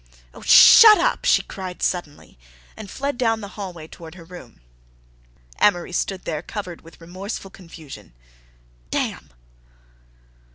"Oh, shut up!" she cried suddenly, and fled down the hallway toward her room. Amory stood there, covered with remorseful confusion. "Damn!"